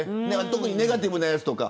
特にネガティブのやつとか。